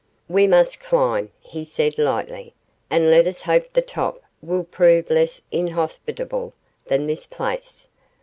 'We must climb,' he said lightly, 'and let us hope the top will prove less inhospitable than this place.